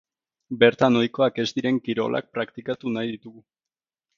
Bertan ohikoak ez diren kirolak praktikatu nahi ditugu.